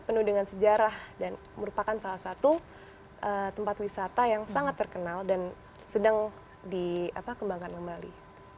penuh dengan sejarah dan merupakan salah satu tempat wisata yang sangat terkenal dan sedang dikembangkan kembali